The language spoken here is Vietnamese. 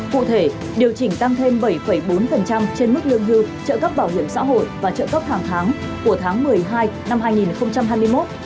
cụ thể điều chỉnh tăng thêm bảy bốn trên mức lương hưu trợ cấp bảo hiểm xã hội và trợ cấp hàng tháng của tháng một mươi hai năm hai nghìn hai mươi một